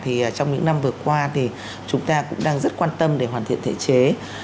thì trong những năm vừa qua thì chúng ta cũng đang rất quan tâm để hoàn thiện thể chế